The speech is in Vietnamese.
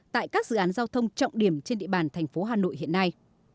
tại các dự án giao thông trọng điểm trên địa bàn thành phố hà nội hiện nay